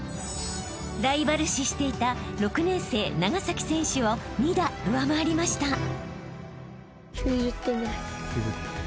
［ライバル視していた６年生長崎選手を２打上回りました］